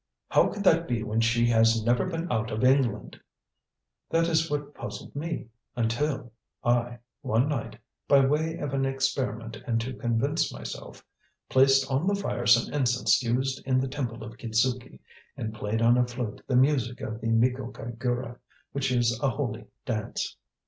"How could that be when she has never been out of England?" "That is what puzzled me, until I, one night by way of an experiment and to convince myself placed on the fire some incense used in the Temple of Kitzuki, and played on a flute the music of the Miko kagura, which is a holy dance.